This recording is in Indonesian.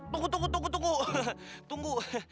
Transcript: tunggu tunggu tunggu tunggu